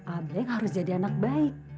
abeng harus jadi anak baik